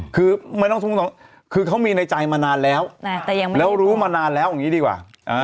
คือไม่ต้องคือเขามีในใจมานานแล้วแล้วรู้มานานแล้วอย่างนี้ดีกว่า